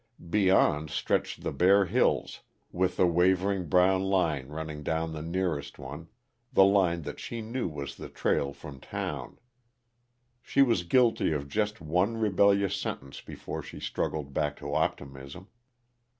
Beyond stretched the bare hills with the wavering brown line running down the nearest one the line that she knew was the trail from town. She was guilty of just one rebellious sentence before she struggled back to optimism.